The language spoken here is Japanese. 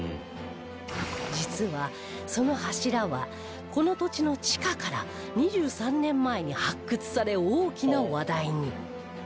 実はその柱はこの土地の地下から２３年前に発掘され大きな話題に